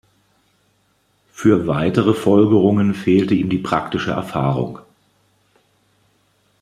Für weitere Folgerungen fehlte ihm die praktische Erfahrung.